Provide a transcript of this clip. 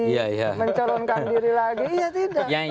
mencolonkan diri lagi